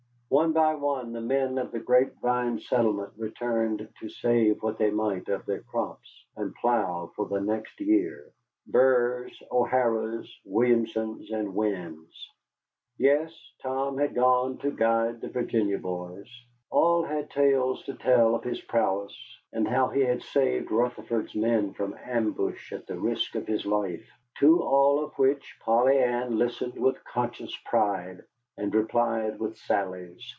One by one the men of the Grape Vine settlement returned to save what they might of their crops, and plough for the next year Burrs, O'Haras, Williamsons, and Winns. Yes, Tom had gone to guide the Virginia boys. All had tales to tell of his prowess, and how he had saved Rutherford's men from ambush at the risk of his life. To all of which Polly Ann listened with conscious pride, and replied with sallies.